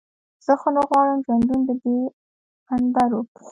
زه خو نه غواړم ژوندون د بې هنبرو.